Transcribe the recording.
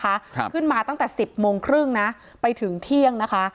ครับขึ้นมาตั้งแต่สิบโมงครึ่งนะไปถึงเที่ยงนะคะ